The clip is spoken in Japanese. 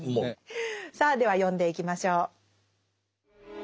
さあでは読んでいきましょう。